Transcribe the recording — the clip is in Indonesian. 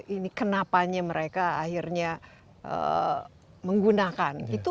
ini kenapanya mereka akhirnya menggunakan